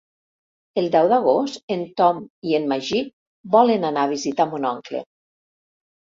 El deu d'agost en Tom i en Magí volen anar a visitar mon oncle.